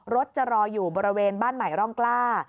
จะรออยู่บริเวณบ้านใหม่ร่องกล้า